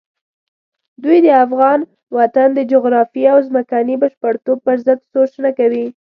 دوی د افغان وطن د جغرافیې او ځمکني بشپړتوب پرضد سوچ نه کوي.